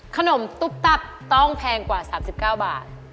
ขนมตุ๊บตับต้องแพงกว่า๓๙บาท